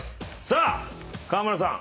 さあ川村さん。